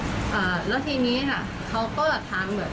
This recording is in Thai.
หนูก็เลยบอกว่าอ้าวไม่ใช่หนูแล้วหนูจะยอมรับสารภาพทำไมอะไรอย่างนี้ค่ะ